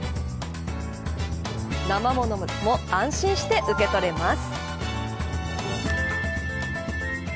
生ものも安心して受け取れます。